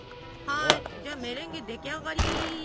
はいメレンゲ出来上がり。